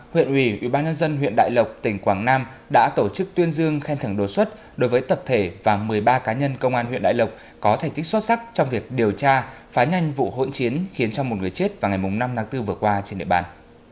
huyện ủy ubnd huyện đại lộc tỉnh quảng nam đã tổ chức tuyên dương khen thưởng đột xuất đối với tập thể và một mươi ba cá nhân công an huyện đại lộc có thành tích xuất sắc trong việc điều tra phá nhanh vụ hỗn chiến khiến cho một người chết vào ngày năm tháng bốn vừa qua trên địa bàn